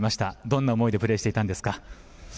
どんな思いでプレーしていたんですか。